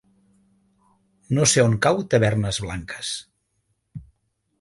No sé on cau Tavernes Blanques.